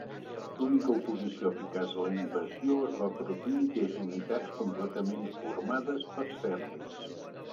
L'única oposició eficaç a la invasió es va produir des d'unitats completament formades per serbis.